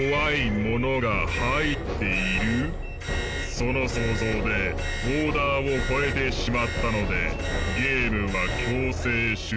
その想像でボーダーを超えてしまったのでゲームは強制終了。